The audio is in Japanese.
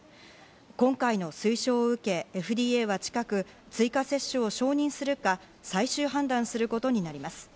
今回の推奨を受け、ＦＤＡは近く追加接種を承認するか最終判断することになります。